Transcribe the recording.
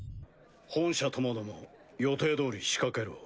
本社ともども予定どおり仕掛けろ。